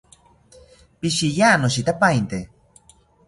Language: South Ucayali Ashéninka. Pishiya, noshitapainte